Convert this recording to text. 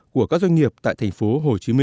của các doanh nghiệp tại tp hcm